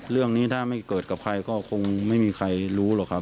เรื่องนี้ถ้าไม่เกิดกับใครก็คงไม่มีใครรู้หรอกครับ